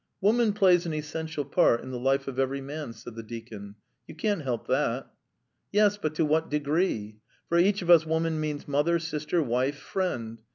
"Woman plays an essential part in the life of every man," said the deacon. "You can't help that." "Yes, but to what degree? For each of us woman means mother, sister, wife, friend.